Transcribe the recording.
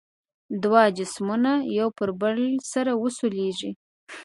دوه جسمونه یو پر بل سره وسولیږي.